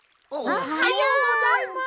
おはようございます！